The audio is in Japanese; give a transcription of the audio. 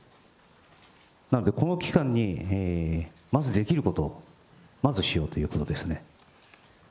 なので、この期間に、まずできること、まずしようということですね。